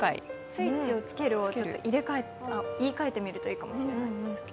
スイッチをつけるを言いかえてみるといいかもしれない。